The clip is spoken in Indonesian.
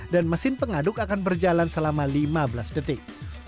dan mesin pengaduk akan berjalan selama lima belas detik